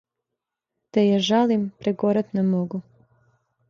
"Те је жалим, прегорет' не могу!"